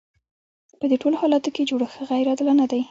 په دې ټولو حالاتو کې جوړښت غیر عادلانه دی.